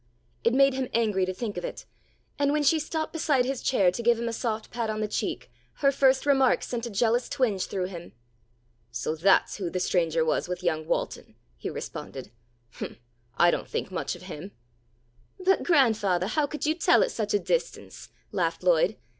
It made him angry to think of it, and when she stopped beside his chair to give him a soft pat on the cheek her first remark sent a jealous twinge through him. "So that's who the stranger was with young Walton," he responded. "Humph! I don't think much of him." "But grandfathah, how could you tell at such a distance?" laughed Lloyd.